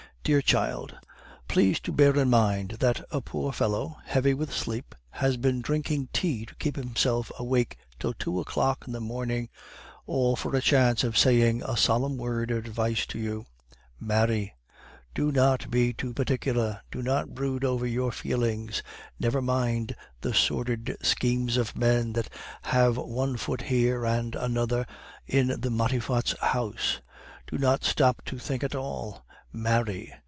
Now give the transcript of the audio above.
'Dear child, please to bear in mind that a poor fellow, heavy with sleep, has been drinking tea to keep himself awake till two o'clock in the morning, all for a chance of saying a solemn word of advice to you Marry! Do not be too particular; do not brood over your feelings; never mind the sordid schemes of men that have one foot here and another in the Matifats' house; do not stop to think at all: Marry!